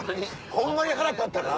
ホンマに腹立ったら。